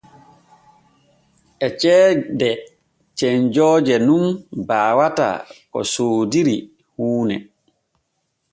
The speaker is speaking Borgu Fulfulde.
E ceede cenƴooje nun baawata ko soodiri huune.